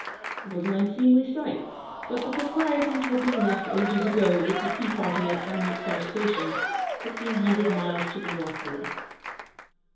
It was an unseemly sight, but the proprieties had been left ages ago, with the tea party at Amritsar Station, fifteen hundred miles to the northward.